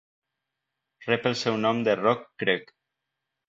Rep el seu nom de Rock Creek.